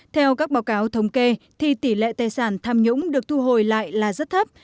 theo các báo cáo thống kê thì tỷ lệ tài sản tham nhũng được thu hồi lại là rất thấp